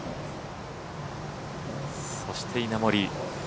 そして稲森